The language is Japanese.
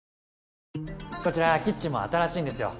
こちらキッチンも新しいんですよ。